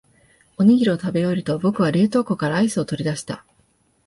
おにぎりを食べ終えると、僕は冷凍庫からアイスを取り出した。